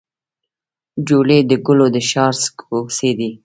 جوړې د ګلو د ښار کوڅې دي